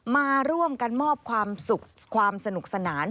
มาร่วมกันมอบความสุขความสนุกสนาน